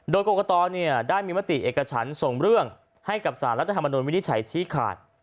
โดยกรกตได้มีมติเอกฉันส่งเรื่องให้กับสารรัฐธรรมนุนวินิจฉัยชี้ขาด